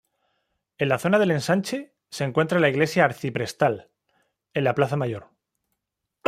En la zona del ensanche, se encuentra la Iglesia Arciprestal, en la Plaza Mayor.